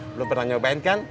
belum pernah nyobain kan